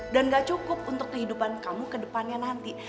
dan gak cukup untuk kehidupan kamu ke depannya nanti